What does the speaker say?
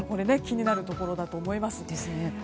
気になるところだと思います。